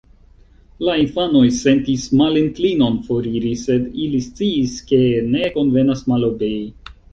La infanoj sentis malinklinon foriri, sed ili sciis, ke ne konvenas malobei.